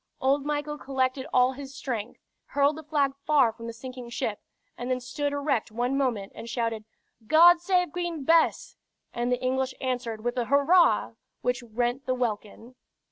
Old Michael collected all his strength, hurled the flag far from the sinking ship, and then stood erect one moment and shouted, "God save Queen Bess!" and the English answered with a "Hurrah!" which rent the welkin.